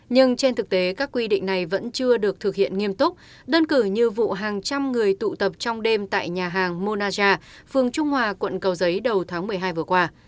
nhưng trên thực tế các quy định này vẫn chưa được thực hiện nghiêm túc đơn cử như vụ hàng trăm người tụ tập trong đêm tại nhà hàng monaja phường trung hòa quận cầu giấy đầu tháng một mươi hai vừa qua